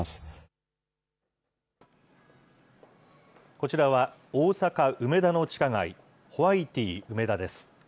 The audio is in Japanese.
こちらは、大阪・梅田の地下街、ホワイティうめだです。